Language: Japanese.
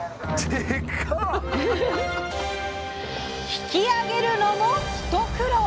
引き上げるのも一苦労！